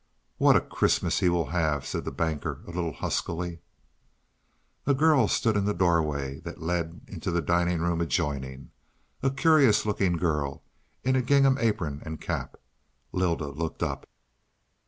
"What a Christmas he will have," said the Banker, a little huskily. A girl stood in the doorway that led into the dining room adjoining a curious looking girl in a gingham apron and cap. Lylda looked up.